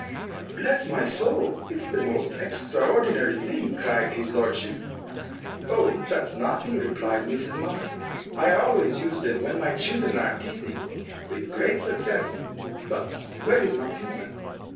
"Bless my soul! it's the most extraordinary thing," cried his lordship. "Oh, that's nothing," replied Mrs. Muff; "I always use them when my children are teething, with great success. But where is Matilda?"